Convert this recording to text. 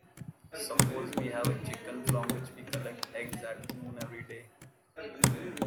Suppose we have a chicken from which we collect eggs at noon everyday.